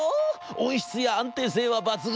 音質や安定性は抜群。